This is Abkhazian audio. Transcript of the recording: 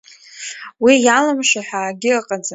Уи иалымшо ҳәа акгьы ыҟаӡам.